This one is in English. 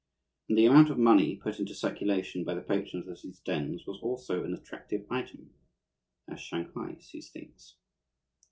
And the amount of money put into circulation by the patrons of these dens was also an attractive item, as Shanghai sees things.